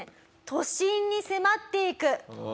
都心に迫っていく。